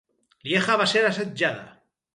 Lieja va ser assetjada.